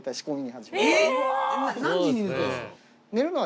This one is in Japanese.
何時に寝てるんですか？